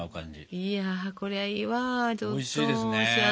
いやこれはいいわ。